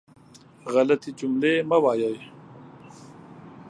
غلطې جملې مه وایئ.